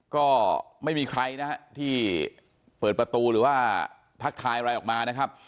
ก็ไม่มีใครนะฮะที่เปิดประตูหรือว่าทักทายอะไรออกมานะครับ